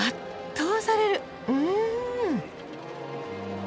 うん！